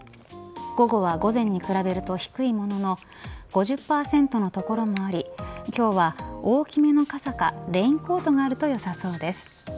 午後は午前に比べると低いものの５０％の所もあり今日は大きめの傘かレインコートがあるとよさそうです。